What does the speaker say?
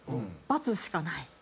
「罰しかない」